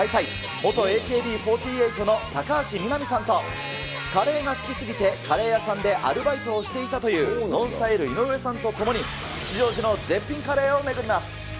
元ＡＫＢ４８の高橋みなみさんと、カレーが好き過ぎて、カレー屋さんでアルバイトをしていたという、ＮＯＮＳＴＹＬＥ・井上さんと共に、吉祥寺の絶品カレーを巡ります。